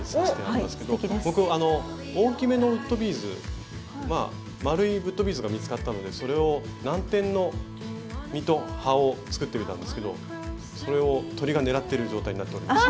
僕あの大きめのウッドビーズ丸いウッドビーズが見つかったのでそれをナンテンの実と葉を作ってみたんですけどそれを鳥が狙ってる状態になっております。